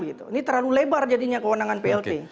ini terlalu lebar jadinya kewenangan plt